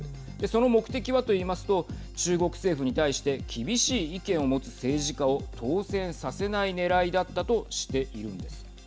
その目的はといいますと中国政府に対して厳しい意見を持つ政治家を当選させないねらいだったとしているんです。